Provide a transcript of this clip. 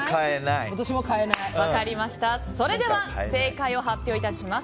それでは正解を発表します。